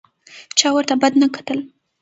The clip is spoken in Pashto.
چا ورته بد نه کتل.